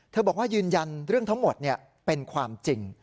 บอกว่ายืนยันเรื่องทั้งหมดเป็นความจริง